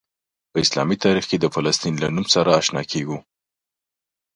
په اسلامي تاریخ کې د فلسطین له نوم سره آشنا کیږو.